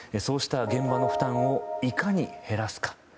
そうした現場の負担をいかに減らすか。